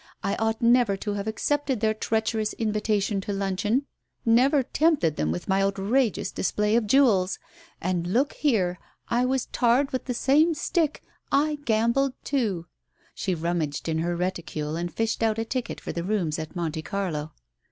I ought never to have accepted their treacherous invitation to luncheon, Digitized by Google THE COACH 137 never tempted them with my outrageous display of jewels ! And look here, I was tarred with the same stick, I gambled too " She rummaged in her reticule and fished out a ticket for the rooms at Monte Carlo.